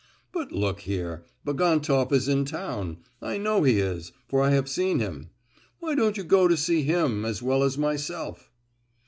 "But look here! Bagantoff is in town; I know he is, for I have seen him. Why don't you go to see him as well as myself?"